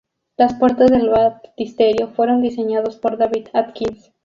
Las puertas del Baptisterio fueron diseñados por David Atkins.